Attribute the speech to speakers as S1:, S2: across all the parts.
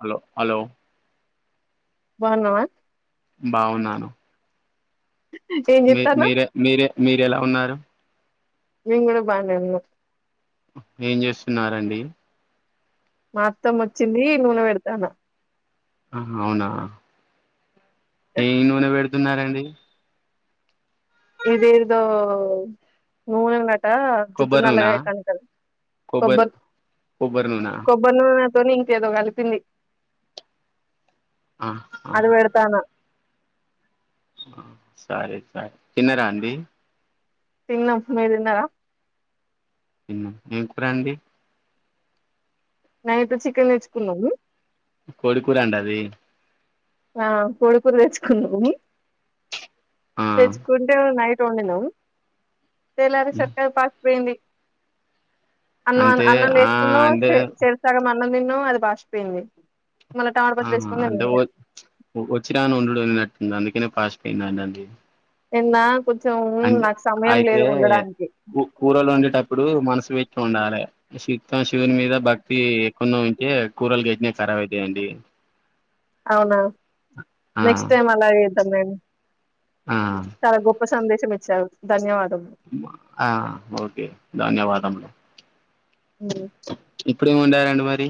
S1: Hello hello
S2: బాగున్నావా
S1: బాగున్నాను
S2: ఏం
S1: మీ
S2: చెత్తాన్నావ్
S1: మర మీర మీరే ఎలా ఉన్నారు
S2: నేను కూడా బానే ఉన్న
S1: ఏం చేస్తున్నరండి
S2: మా అత్తమ్మ వచ్చింది నూనె పెడతాను
S1: అవునా ఏ నూనె పెడుతున్నారండి
S2: ఇదేదొ నూనె జుట్టు
S1: కొబ్బరి నూనా
S2: నల్లగా [unintelligible]
S1: కొబ్బరి
S2: కోబర్
S1: కొబ్బరి నూనా
S2: కొబ్బరి నూనె దని ఇంకేదో కలిపింది
S1: ఆ
S2: అది పెడతానా
S1: సరే సరే తిన్నారా రాండి
S2: తినం మీరు తిన్నారా
S1: [unintelligible] రండి
S2: నైట్ చికెన్ తెేచ్చుకున్నాము
S1: కోడి కూర అండి అది
S2: ఆ కోడికూర తెచ్చుకున్నా
S1: ఆ
S2: తెచ్చుకుంటేన్నాయి వండిన తెలారే సరికల పాసిపోయింది అన్నం
S1: అంటే
S2: అన్నం
S1: ఆ
S2: వేసుకున్నా
S1: అంటే
S2: చేరి సగం అన్నం తిన్నాం అది పసిపోయింది మలా టమాట పచ్చడి వేసుకొని తిన్న
S1: ఓ వోచ్చినాను ఉండుడు అని నట్టుంది అందుకేనే పాస్పెనానండి
S2: ఎన్నా
S1: అంటె అయితే కూ కూరలోన్డేటప్పుడు మనసు పెట్టీ ఉండాలే. సిత్తం శివుని మీద భక్తి ఎక్డనో ఉంటే కూరలు గిట్నే కాబైతయండి.
S2: అవునా
S1: ఆ
S2: నెక్స్ట్ టైమ్ అలాగే సమాండ్
S1: ఆ
S2: చాలా గొప్ప సందేశం ఇచ్చారు ధన్యవాద్
S1: ఆ ఓకే ధన్యవాదములు
S2: హ్మ్.
S1: ఇప్పుడేమోండారండి మరి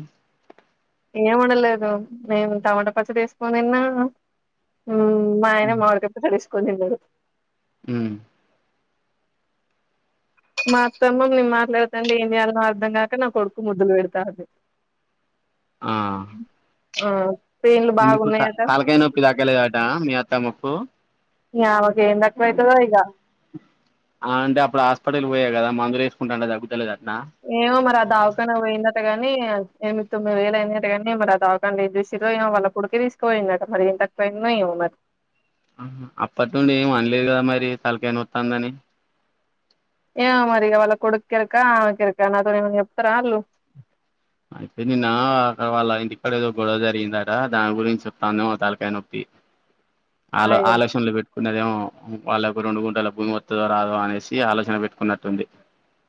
S2: ఏంవండలేదు లేదు నేన్ టమాటా పచ్చ పచ్చడేస్కోన్ దిన్న మ్ మా ఆయన మడికాయ్ పచ్చడేస్ కోన్ దిన్నడు
S1: హు
S2: మాత్తమ్మ మేం మాట్లాడతాంటె ఏం చేయాలలో అర్ధం గాక నా కొడుకు ముద్దులు పెడతంది అ ఆ పెయిన్లు
S1: మీందుకు త
S2: బాగున్నాయట
S1: తాలకాయ నొప్పి తాగ్గలేదట మీ అత్తమొక్ కు
S2: యామకేం దాక్కువైతదో ఇగా
S1: అల అంటే అప్పుడు హాస్పిటల్ పోయా గదా మందులేసుకుంటాంటే తగ్గుతులేదట్
S2: ఏమో మరి ఆ దావకన పోయిందటగాని ఎనిమిది, తొమ్మిది వేలయిదట గాని మద దవాకాన్లో ఏం జెస్సిరో వాళ్ళ కొడుకే తీసుకభోండట మరి ఎంతక్కువైనో ఏమో మరి
S1: అప్పట్నుంటి ఏం అనలేద్ గదా మార్ ది తల్కైనోత్తందని
S2: ఏమో మరి ఇగ వాళ్ళ కొడుక్కెరక ఆమెక్కెరక నాతోనేమన్నా జేప్తారా ఆళ్ళు
S1: అయితే నిన్న అక్కడ వాళ్ళ ఇంటి కాడ ఏదో గొడవ జరిగిందట. దాని గురించ్చొతందేమో తాలకాయ్ నొప్పి ఆలో
S2: అయ్యో
S1: ఆలోశన్లు బెట్ ఉన్నదేమో వాళ్ళకు రెండు గుంటల భూమి వత్తదో రాదో అనేసి ఆలోచన పెట్టుకున్నట్టుంది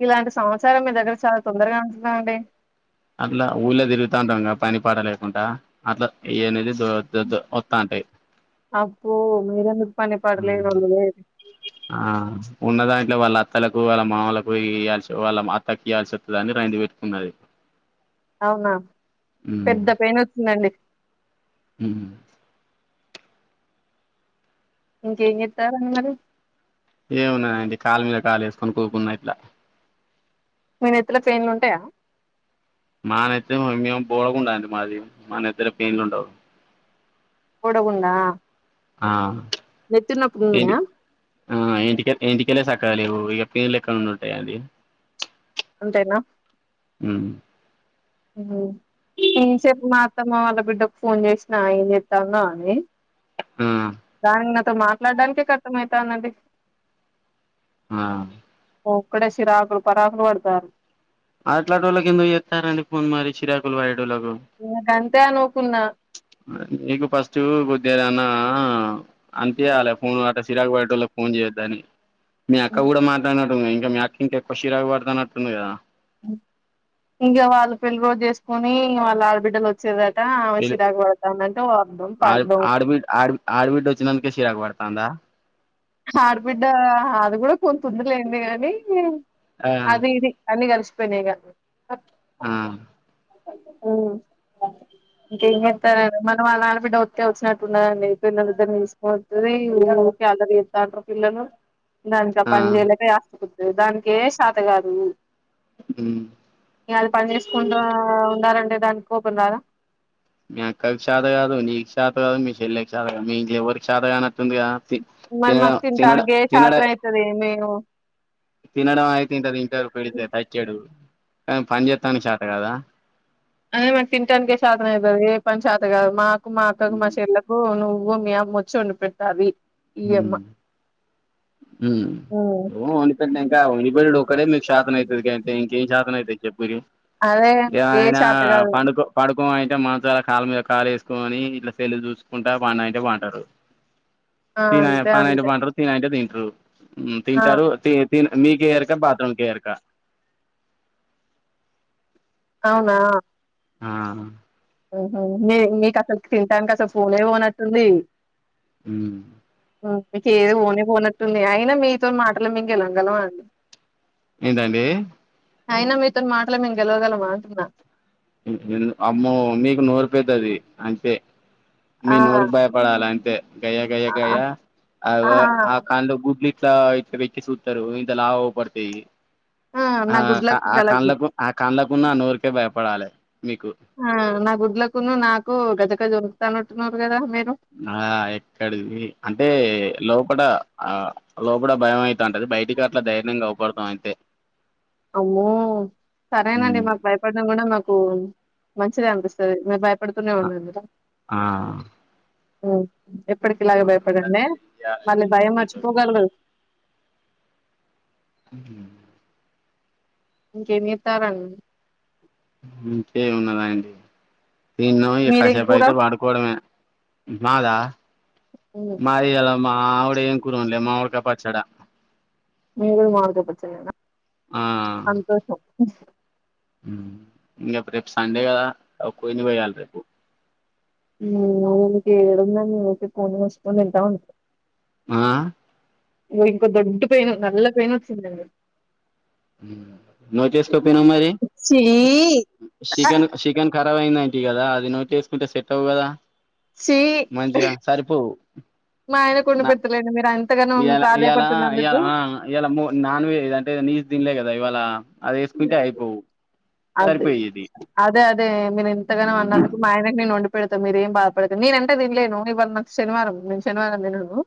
S2: ఇలాంటి సమాచారం మీ దగ్గర చాలా తొందరగా [unintelligible] నామండి
S1: అట్లా ఊళ్ళో తిరుగుతా ఉంటాంగా పని పాట లేకుంత. అట్లా ఏన్ [unintelligible] తు తు వత్తంటై
S2: అబ్బో మిరెందుక్ పని పాటలేనోళ్లు లే
S1: ఆ ఉన్న దాంట్లో వాళ్ళ అత్తలకు, వాళ్ళ మామలకు, ఇయాల్స. వాళ్ళ ఆమ్ అత్తకీయాల్సోతదని. రెండు పెట్టుకున్నది
S2: అవునా పెద్ద పెయినోచ్చిందండి
S1: హ్
S2: ఇంకేం జెత్తరండి మరి
S1: ఏమున్నాదండి కాళ్లు మీద కాలేసుకొని కుకున్నా. ఇట్లా
S2: మీ నేతిలో చైన్లు ఉంటాయా
S1: మా నెత్తిన మేము బోడిగుండు అండి మది మా నెత్తిన పెన్లు ఉండవ్
S2: కూడవుడా
S1: ఆ ఏంటి ఇంటిక ఇంటికెలే సక్కాగా లేవు పేలు ఎక్కడనుండి ఉంటాయి అండి
S2: అంతేనా
S1: మ్మ్
S2: న చెప్పు మా అత్తమ్మ వాళ్ళ బిడ్డకి ఫోన్ చేసిన ఏం చెతాన్నా అని
S1: మ్మ్
S2: దానికి నాతో మాట్లాడడానికే కస్టమైతంది అండి
S1: ఆ
S2: ఒక్కడే సిరాకులు పరాకులు పడతారు
S1: అట్లాంటోలకి ఎందుకు చేస్తారండి ఫోన్ మారి చిరాకులు పడే
S2: ఇంగ గంతే అనుకున్నా
S1: నీకు ఫస్ట్ కొదిగాన అంతే అ ఫోన్ అట సిరాకు పడేతోలకి ఫోన్ చేయొద్దాని మీ అక్క కూడా మాట్లాడినట్టుంది మీ అక్క ఇంకా ఎక్కువ శిరకుపడుతునటు ఉంది కదా
S2: ఇంకా వాళ్ళు పెళ్లి రోజు చేసుకుని వాళ్ళ ఆడబిడ్డలు వచ్చేద
S1: ఇ ఆ
S2: పర్ధం
S1: ఆడబడ్ ఆ ఆడబడ్ వచ్చినందక శిరకు పద్ధతంధ
S2: ఆడబిడ్డ ఆది కూడా కొంత ఉంది లెండిగానీ
S1: ఆ
S2: అది ఇది అని కలిసి పైనే గా
S1: ఆ
S2: ఇంకేం చేస్తారడి మనం మౌన వాళ్ళ ఆడపిడ్డ వత్స్తే వచ్చినట్టున్నండి పిల్లలు ఇద్దరిని తీసుకొని వస్తాది వాళ్ళు ఊరికే అల్లరి డాక్టర్ పిల్లలు నాకు ఇంకా
S1: ఆ
S2: పని చేయలేక [unintelligible] దానికే శాతగాదు
S1: ఉమ్
S2: ఇక అది పని చేసుకుంటా ఉన్నారన్ దానికి కోపం రాధ
S1: మీ అక్కకి చాత కాదు నీకు చాత కాదు మీ చెల్లకి చాత కాదు మీ ఎవరికి చాతా కా
S2: మరి మాకు తింటానీకే
S1: తినడ
S2: చేతనైతది
S1: తినడం అయితే ఇంత తింటారు పెడితే తచ్చాడు కానీ పని చేస్తాను చాత కదా
S2: అదే మాకు తింటనికే చతనైతది పని శాత కాదు మా మా అక్కకు మా చెల్లకు నువ్వు నువ్వు మీ అమ్మ వచ్చి వండిపెంటరి ఇయమ్మ
S1: మ్మ్ [unintelligible] వండిపేటనింక వండి పెట్టుడు ఒక్కటే మీకు ఛాతానైతది గంతే ఇంకేం చేతనైతయ్ చేపూరి
S2: అదే మాకే శాత కాదు
S1: [unintelligible] పడుకో పడుకో అంటే మంచాల కాల మీద కాళే కని ఇట్లా సెల్లు చూసుకుంటా పండ అంటే పండారు
S2: ఆ
S1: తిన్ అంటే
S2: అంతే
S1: పా
S2: అంతే
S1: పాంటరు తి అంట త ఉమ్
S2: ఆ
S1: తింటారు మీకే ఎరుక బాత్రూమ్ కె ఎరక
S2: అవునా
S1: ఆ
S2: మీ మీకు అసలు తినానికి అసలు ఫోన్ పోన్ వస్తుంది
S1: ఉమ్
S2: మకద పోనే పోన మీ అయిన మీతో మాటలు మేము గెళవగలమ అండి
S1: ఏంటండి
S2: అయినా మీతోని మాటలు మేము గెలవగలం అంటున్నా
S1: అమ్మో మీకు నూ రపోయితు అది అంతే మీ
S2: ఆ
S1: నోరుకు భయపడాల అంటే గయా గయా
S2: ఆ
S1: గయా అ ఆ కలో గుడ్లి ఇట్లా ఇట్లా పెచ్చి చూతారు ఇంత లాభ పడతాయి
S2: ఆ, నా గుడ్లకు
S1: ఆ
S2: గల
S1: కన్లకు ఆ కన్లకున్నా నూరికే భయపడాలి మీకు
S2: ఆ నా గుడ్లకును నాకు గద జరుగుతను ఉట్నన్నారురు కదా మీరు
S1: ఆ ఎక్కడిది అంటే లోపల ఆ లో కూడా భయం అయితే అంటది బయటికి అట్లా ధైర్యయం కాపడతాం అయితే
S2: అమ్మో సరేనండి మాకు భయపడ్నా కూడా నాకు మంచిది అనిపిస్తుంది మీ బ అప్పుడుతున్న
S1: ఆ
S2: వన్నా ఎందుట
S1: ఆ
S2: అమ్ ఎప్పటికి ఇలాగ
S1: అట్లుంటది
S2: భయపడండి
S1: మరి ఏం
S2: మళ్ళీ
S1: చేయాలండి
S2: భయం
S1: మీతోటి
S2: మర్చిపోగలగు
S1: ఉమ్
S2: ఇంకేమి ఇతారాడి
S1: ఇకే ఉన్నదాండి త కష
S2: మీరేం కూర
S1: పయితే పడుకోడమే మాదా మాది మా అవిడ ఏం కురుంలేమ్ మా అడ కాపాచ్చడా
S2: మీది కూడా మామిడికాయ పచ్చడేనా
S1: ఆ
S2: సంతోషం
S1: ఇకా రేపు సండేగాద ఒక కోడిని కోయలి రేపు
S2: ననికి ఏడుంద మీ పోని వసుకని తింటా ఉంట
S1: ఆ
S2: ఇంకో దొడ్డు పెయిన్ నల్ల పెయిన్ వచ్చిందండి
S1: నువ్వు తీసుకో పోయినవ్ మరి
S2: చీ
S1: చికెన్ చికెన్ ఖరాబ్ అయింది ఈ కదా అది నోట్లే వేసుకుంటే సెట్ అవు కదా
S2: చి
S1: మంచిగా సరిపోవు
S2: మా ఆయన కొండ పెతలేండి మీరు అయన
S1: ఈయాల ఈయాల ఈయాల ఆ ఈయాల నాన్వేజ్ అంటే నీచు తిన్లే కదా ఇవాళ అది వేసుకుంటే అయిపోవు
S2: అదే
S1: సరిపోయేది
S2: అదే అదే మీరు ఇంత గానం అన్నందుకు మా ఆయనకు నేను వండి పెడతా మీరు ఏం బాధపడతారు నేనంటే తిలేను ఇవన్న నా శనివారం నేను శనివారం తినను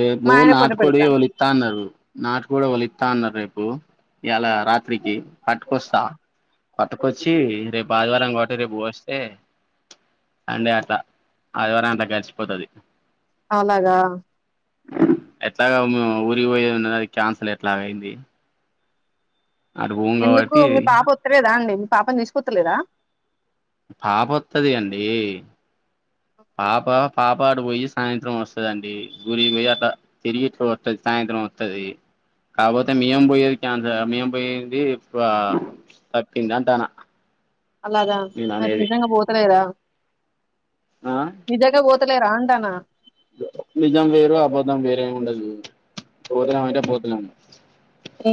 S1: రేపు
S2: మా ఆయన కొండి
S1: నాటుకోడి
S2: పెడతా
S1: వోలిత్త అన్నారు నాటు కూడా ఒకలిత్తా అన్నారు రేపు [inaudible] ఈయాల రాత్రికి పట్టుకొస్తా పట్టుకొచ్చి రేపు ఆదివారం గాబట్టి రేపు కోస్ ఏ అండే అంత ఆదివారం అంత గడిచిపోతది
S2: అలాగా
S1: ఎట్లగావ్ మేము ఊరికి పోయేది ఉన్నది అది కాన్సల్ చేత్తం ఏంది
S2: ఎందుకు మీ పాప ఒత్తలేదా అండి పాపని తీసుకపోతలేరా
S1: పాప ఒత్తాది అండి పాప పాపా అటు పోయి సాయంత్రం వస్తాదండి గుడికి పోయి అట్లా తిరిగి ఇట్ల వత్తది సాయంత్రం వత్తది కాకపోతే మేం పోయేది కాన్సల్ మేం పోయింది తప్పింది అంటన్న
S2: అలాగా ఐతే నిజంగా పోతలేదా
S1: ఆ
S2: నిజంగా ఓతలేర అంటన
S1: నిజం వేరు అబద్ధం వేరేమి ఉండదు పోతున్నాం అంటే పోతున్నాం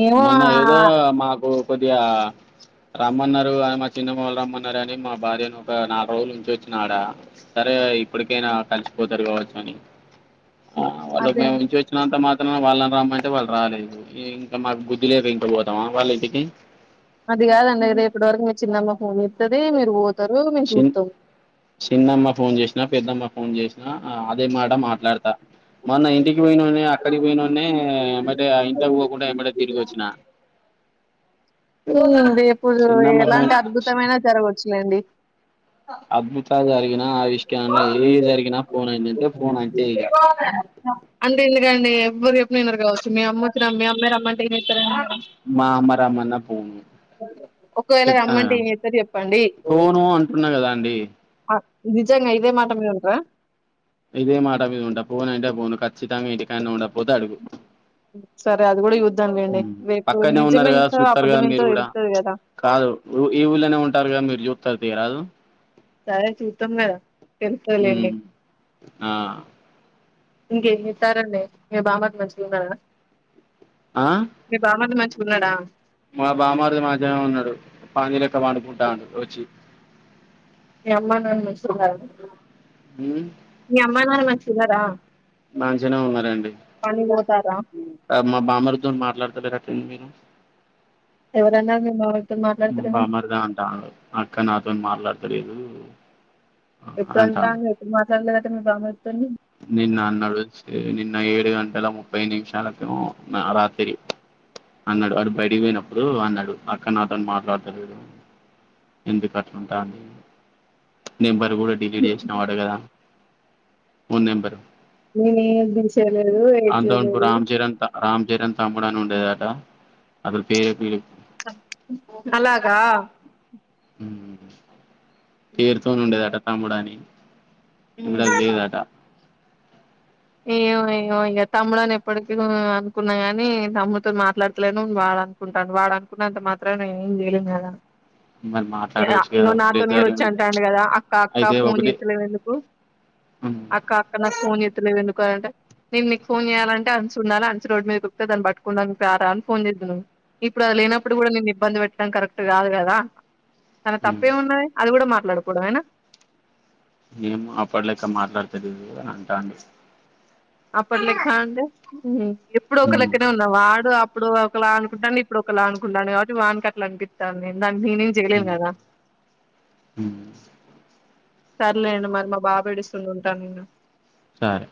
S2: ఏమో
S1: మొన్న ఏదో
S2: ఆ-
S1: మాకు కొద్దిగా రమ్మన్నారు అని మా చిన్నమాలు రమ్మన్నారు అని మా భార్యను ఒక నాలుగు రోజులు ఉంచి ఓచ్చిన ఆడ సరే ఇప్పటికైనా కలిసిపోతారు కావచ్చు కాని ఆ వాళ్ళకి
S2: అదే
S1: మేము ఉంచి వచ్చినంత మాత్ర ఆ వాళ్ళని రమ్మంటే వాళ్ళు రాలేదు ఇంక మాకు బుద్ధి లేరు ఇంక పోతామా వాళ్ళ ఇంటికి
S2: అది కాదండి రేపటి వరకు మీ చిన్నమ్మ ఫోన్ చేత్తది మీరు పో
S1: చిన్ చిన్నమ్మ ఫోన్ చేసిన పెద్దమ్మ ఫోన్ చేస్ ఆ అ అదే మాట మాట్లాడతా మొన్న ఇంటికి పోయినొన్ని అక్కడికి పోయినొన్ని ఎంబటే ఆ ఇంటికి పోకుండా ఎంబటే తిరిగి వచ్చినా
S2: అవునండి ఇప్పుడు
S1: చిన్నమ్మ ఫోన్
S2: ఎలాంటి అద్భుతమైన జరగచ్చులేండి
S1: అద్భుతలు జరిగినా ఆ విస్కమ్ ఎం జరిగినా ఫోన్ అంది అంటే ఫోన్ అంటే ఇగ
S2: అదే అండి ఎవరు చెప్పిన వినరు కావచ్చు మీ అమ్మవొచ్చిన మీ అమ్మే రమ్మంటే వచ్చారని
S1: మా అమ్మ రమ్మన్న పోను
S2: ఒకవేళ
S1: చెప్తాను
S2: రమ్మంటే
S1: కదా
S2: ఎం చేస్తారు చెప్పండి
S1: పోను అంటున్నా కదా అండి
S2: నిజంగా ఇదే మాట మీద ఉంటవ
S1: ఇదే మాటా మీ ఉంట పోను అంట పోను కచ్చితంగా క ఉంట పోతే అడుగు
S2: సరే అది కూడా చూద్దాం లేండి
S1: హమ్
S2: రేపు
S1: పక్కనే ఉన్నాడు కదా
S2: నిజమెంతో
S1: చూత్తరు కదా మీరు
S2: అబద్ధమెంతో
S1: కూడా
S2: తెలుత్తది కదా
S1: కాదు ఈ ఊళ్ళనే ఉంటారుగద మీరు జ్య తలుపూథీయరాదు
S2: సరే చూత్తం కదా తెలుసులేండి
S1: ఆ
S2: ఇంకేమి చేస్తారండీ ఏ భామర్ది మంచిగున్నర
S1: ఆ
S2: మీ భామర్ది మంచి ఉన్నడా.
S1: మా భామర్ది మంచిగనే ఉన్నడు పందిలెక్క పడుకుంటాన్డు వచ్చి
S2: మీ అమ్మ నాన్న మంచిగున్నర
S1: ఉమ్
S2: మీ అమ్మ నాన్న మం తిన్నర
S1: నాంచనే ఉన్నారండి
S2: పోతారా
S1: మా భామర్దితో మాట్లాడతలే న్ మీరు
S2: ఎవరన్నారు మేము మావయ్యతోని మాట్లాడుతున్నామని
S1: తోని మాట్లాడతలేదు
S2: ఎప్పుడూ
S1: అంటాండు
S2: అంటండ్రు ఎప్పుడు మాట్లాడ లేదు అంట పిన్నీ బాబై
S1: నిన్న హన్నడు నిన్న ఏడు గంట ఇలా ముప్పై నిమిషాలకు రాత్రి అన్నాడు అటు బయడిపోయినప్పుడు అన్నాడు అక్కను అతను మాట్లాడతలేడు ఎందుకు అట్లుంటా అ నేను కూడా డిలీట్ చేసిన వాటా కద మూన్ నెంబరు
S2: నేనేం తే చేలేదు ఏయిట్ చేయదు
S1: చబడను ఉండేదాటా అ పేరు
S2: అలాగా
S1: ఉ తీరుతో ఉండేద అట తమ్ముడని ఇప్పుడ జయదటా
S2: ఏమో ఏమో ఇగ తమ్ముడు అని ఎప్పటిక అనుకున్నా కాని తమ్ముడుతో మాట్లాడతలేను వాడు అనుకుంటాను వాడు అనుకున్నంత మాత్రనా ఏం చేయలే కదా
S1: మరి మాట్లాడవచ్చు
S2: ఇల
S1: కదా
S2: నాతోని కూడా
S1: ఒకటేసారి
S2: వచ్చి అంటాండి కదా అక్క అక్క
S1: అయితే
S2: ఫోన్
S1: ఒకటే
S2: చేస్తలే ఎందుకు అక్క అక్క నాకు ఫోన్ చేస్తలే ఎందుకు ఒక గంట నేను మీకు ఫోన్ చేయాలంట అంచు ఉండి అంచు రోడ్ మీద కుపితేన్ని పట్టుకుండానికి ప్రేరాలని ఫోన్ చేయదును ఇప్పుడు అది లేనప్పుడు కూడా నేను ఇబ్బంది పెట్ట చం కరెక్ట్ కాదు కదా తన తప్పేమిన్నా అది కూడా మ లలడ్కోవాడేమేనా
S1: మేము అప్పట్ లెక్క మాట్లాడతేది అని అంటాండి
S2: అప్పట్ లెక్క అంటే ఇప్పుడు ఒక లెక్కనే ఉన్నా వాడు అ ఇప్పుడు ఒకలా అనుకుంటాను ఇప్పుడు ఒకలా అనుకుంటన్నాను కాబట్టి వానికి అలా అపిత్తంది దానికి నేనేం చేయలేను కదా సర్లేండి మరి మా బాబు ఏడుస్తుండు ఉంటాను నేను
S1: సరే